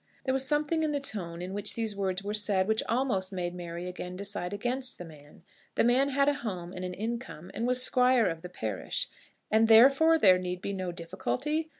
There was something in the tone in which these words were said which almost made Mary Lowther again decide against the man. The man had a home and an income, and was Squire of the parish; and therefore there need be no difficulty!